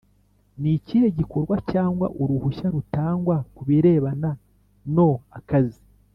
n ikihe gikorwa cyangwa uruhushya rutangwa ku birebana no akazi